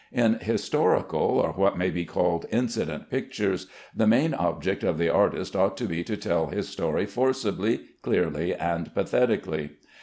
In historical, or what may be called incident pictures, the main object of the artist ought to be to tell his story forcibly, clearly, and pathetically.